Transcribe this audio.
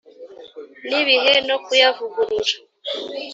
n ibihe no kuyavugurura